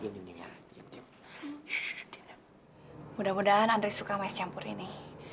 mudah mudahan andri suka miss campur ini